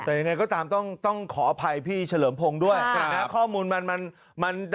อืมนี่แหละ